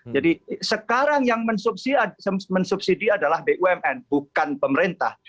jadi sekarang yang mensubsidi adalah bumn bukan pemerintah